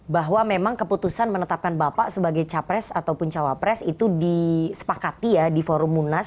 bahwa memang keputusan menetapkan bapak sebagai capres ataupun cawapres itu disepakati ya di forum munas